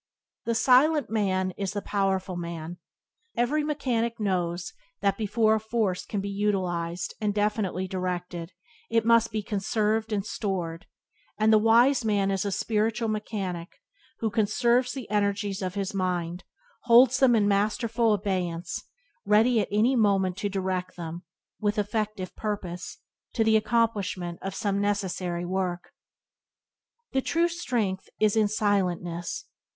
The silent man is the powerful man. The victim of garrulity is devoid of influence; his spiritual energies are dissipated. Every mechanic knows that before a force can be utilized and definitely directed it must be conserved and stored; and the wise man is a spiritual mechanic who conserves the energies of his mind, holds them in masterful abeyance, ready at any moment to direct them, with effective purpose, to the accomplishment of some necessary work. The true strength is in silentness.